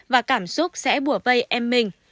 và cảm xúc sẽ bùa vây em mình